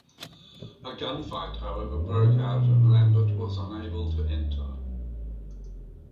A gunfight however broke out and Lambert was unable to enter.